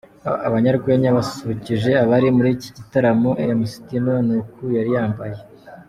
Abanyarwenya basusurukije abari muri iki gitaramoMc Tino ni uku yari yambaye.